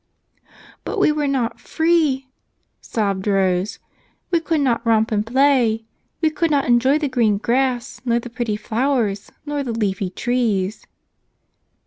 "But we were not free," sobbed Rose. "We could not romp and play. We could not enjoy the green grass, nor the pretty flowers, nor the leafy trees."